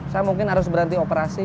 saya mungkin harus berhenti operasi